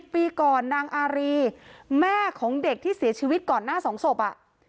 ปีก่อนนางอารีแม่ของเด็กที่เสียชีวิตก่อนหน้า๒ศพ